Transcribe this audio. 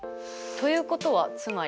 ということはつまり？